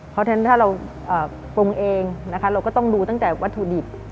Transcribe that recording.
เพราะฉะนั้นถ้าเราปรุงเองนะคะเราก็ต้องดูตั้งแต่วัตถุดิบ